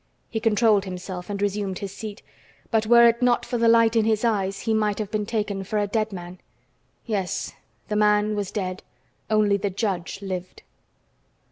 He controlled himself and resumed his seat, but were it not for the light in his eyes, he might have been taken for a dead man. Yes, the man was dead; only the judge lived.